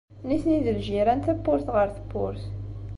Nitni d ljiran tawwurt ɣer tewwurt.